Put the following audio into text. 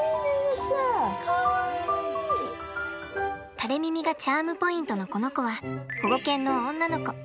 垂れ耳がチャームポイントのこの子は保護犬の女の子。